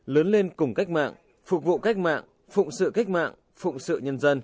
lớn lên cùng cách mạng phục vụ cách mạng phụng sự cách mạng phụng sự nhân dân